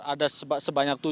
ada sebanyak tujuh